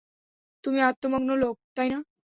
তুমি আত্মমগ্ন লোক, তাইনা?